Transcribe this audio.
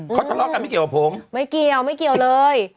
เขาทะเลาะกันไม่เกี่ยวกับผมไม่เกี่ยวไม่เกี่ยวเลย